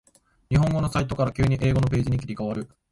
日本語のサイトから急に英語のページに切り替わる